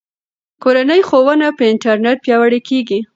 کورنۍ ښوونه په انټرنیټ پیاوړې کیږي.